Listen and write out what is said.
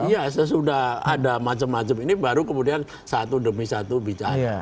ya sesudah ada macam macam ini baru kemudian satu demi satu bicara